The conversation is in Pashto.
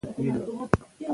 هغه ځای چې ولاړو، ارام و.